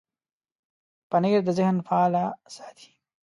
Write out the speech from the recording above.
پنېر د ذهن فعاله ساتي.